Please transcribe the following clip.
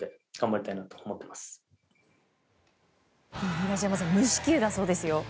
東山さん無四球だそうですよ。